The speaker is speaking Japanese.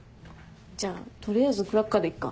じゃあ取りあえずクラッカーでいっか。